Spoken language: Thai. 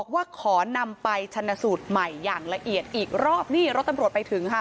ว่าขอนำไปชนสูตรใหม่อย่างละเอียดอีกรอบนี่รถตำรวจไปถึงค่ะ